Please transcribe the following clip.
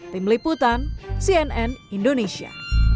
tim liputan cnn indonesia